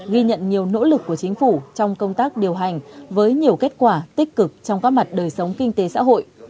ghi nhận nhiều nỗ lực của chính phủ trong công tác điều hành với nhiều kết quả tích cực trong các mặt đời sống kinh tế xã hội